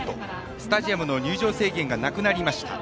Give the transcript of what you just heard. スタジアムの入場制限がなくなりました。